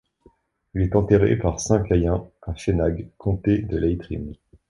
Il est enterré par Saint Caillin à Fenagh, comté de Leitrim.